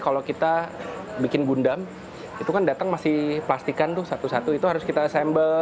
kalau kita bikin gundam itu kan datang masih plastikan tuh satu satu itu harus kita sambel